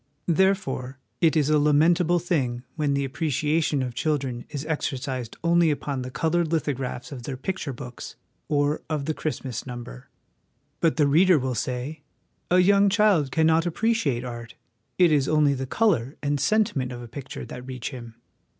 Therefore it is a lamentable thing when the apprecia tion of children is exercised only upon the coloured lithographs of their picture books or of the ' Christmas number.' But the reader will say, 'A young child cannot appreciate art ; it is only the colour and sentiment of a picture that reach him.